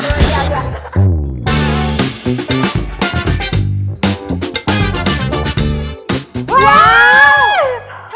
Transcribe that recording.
เดี๋ยว